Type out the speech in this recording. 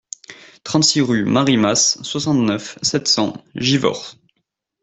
trente-six rue Marie Mas, soixante-neuf, sept cents, Givors